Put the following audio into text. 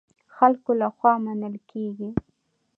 خلکو له خوا منل کېږي.